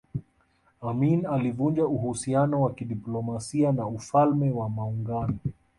Amin alivunja uhusiano wa kidiplomasia na Ufalme wa Maungano